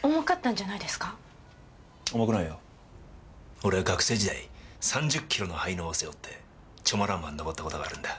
俺は学生時代３０キロの背嚢を背負ってチョモランマに登った事があるんだ。